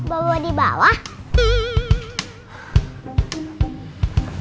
kok yine aba di bawah